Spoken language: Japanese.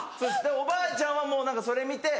おばあちゃんはもう何かそれ見て。